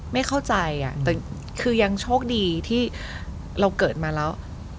ไม่เข้าใจแต่คือยังโชคดีที่เราเกิดมาแล้ว